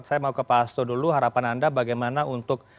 saya mau ke pak hasto dulu harapan anda bagaimana untuk